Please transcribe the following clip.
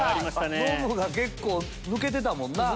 ノブが結構抜けてたもんな。